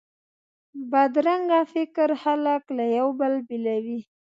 بدرنګه فکر خلک له یو بل بیلوي